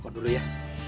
tunggu dulu ya